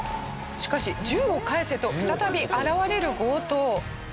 しかし銃を返せと再び現れる強盗。